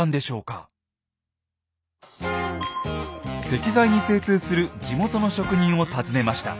石材に精通する地元の職人を訪ねました。